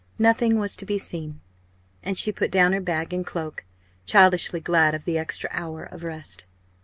Nothing was to be seen; and she put down her bag and cloak, childishly glad of the extra hour of rest.